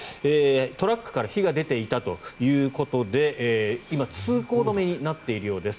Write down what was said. トラックから火が出ていたということで今、通行止めになっているようです。